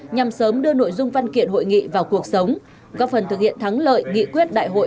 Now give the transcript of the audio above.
nhằm sớm đưa nội dung văn kiện hội nghị vào cuộc sống góp phần thực hiện thắng lợi nghị quyết đại hội một mươi ba của đảng